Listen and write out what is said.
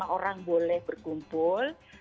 lima orang boleh berkumpul